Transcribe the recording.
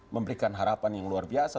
memberikan harapan yang luar biasa